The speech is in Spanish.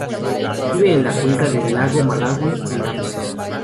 Vive en la cuenca del Lago Malawi, en África.